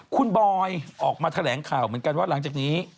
คุณบอยออกมาแถลงข่าวเหมือนกันว่าหลังจากนี้